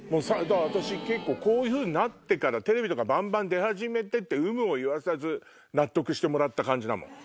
私こういうふうになってからテレビとかバンバン出始めて有無を言わさず納得してもらった感じだもん。